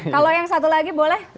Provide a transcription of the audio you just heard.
kalau yang satu lagi boleh